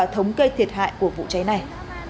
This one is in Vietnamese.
thống kê thiệt hại của vụ cháy này